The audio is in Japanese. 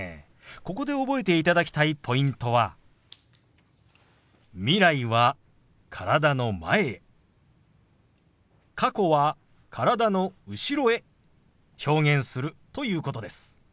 ここで覚えていただきたいポイントは未来は体の前へ過去は体の後ろへ表現するということです。